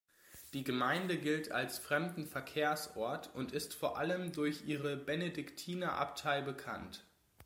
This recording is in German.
Die Gemeinde gilt als Fremdenverkehrsort und ist vor allem durch ihre Benediktinerabtei bekannt.